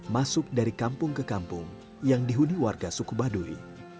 masuk dari kampung ke kampung yang dihuni warga suku baduy